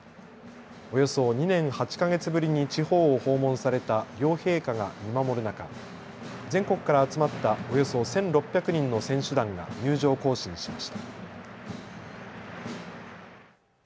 およそ２年８か月ぶりに地方を訪問された両陛下が見守る中、全国から集まったおよそ１６００人の選手団が入場行進しました。